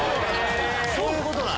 そういうことなん？